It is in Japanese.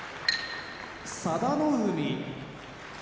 佐田の海